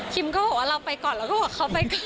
ก็บอกว่าเราไปก่อนเราก็บอกเขาไปก่อน